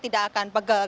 tidak akan berlalu